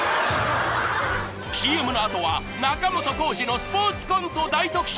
［ＣＭの後は仲本工事のスポーツコント大特集！］